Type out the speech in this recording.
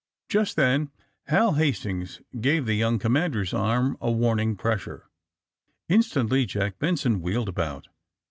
'' Jnst then Hal Hastings gave the young com mander's arm a warning pressure. Instantly Jack Benson wheeled about.